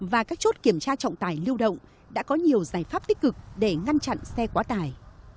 và các chốt kiểm tra trọng tài lưu động đã có nhiều giải pháp tích cực để ngăn chặn xe quá tải